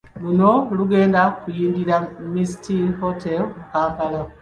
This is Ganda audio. Luno lugenda kuyindira Mestil Hotel mu Kampala.